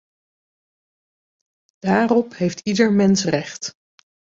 Daarop heeft ieder mens recht.